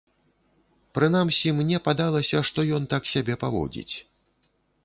Прынамсі, мне падалася, што ён так сябе паводзіць.